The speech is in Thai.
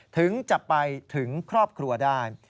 ถึงจะไปถึงครอบครัวได้